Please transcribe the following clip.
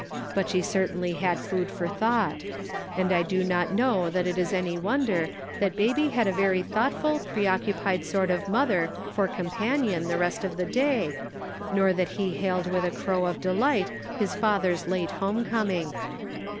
But she certainly had food for thought. And I do not know that it is any wonder that baby had a very thoughtful preoccupied sort 458 The Pocket Measure. of mother for companion, the rest of the day, nor that he hailed with a crow of delight his father's late home coming.